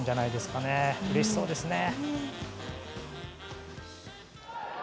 うれしそうですね。